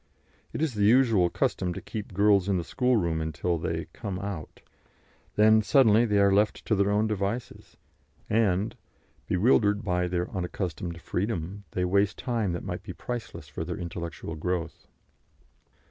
It is the usual custom to keep girls in the schoolroom until they "come out"; then, suddenly, they are left to their own devices, and, bewildered by their unaccustomed freedom, they waste time that might be priceless for their intellectual growth.